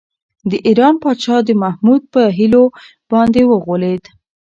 د ایران پادشاه د محمود په حيلو باندې وغولېد.